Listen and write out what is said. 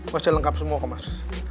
masih lengkap semua kok mas